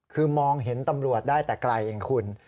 คือมองเห็นตำรวจได้แต่ไกลเองคุณ